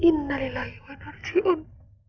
innalillahi wain ardiun